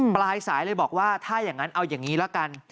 ปลายสายเลยบอกว่าถ้าอย่างนั้นเอาอย่างนี้ละกัน